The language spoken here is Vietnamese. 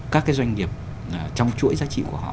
các cái doanh nghiệp trong chuỗi giá trị của họ